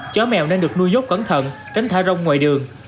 chó mèo nên được nuôi dốt cẩn thận tránh thả rông ngoài đường